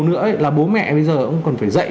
nữa là bố mẹ bây giờ cũng cần phải dạy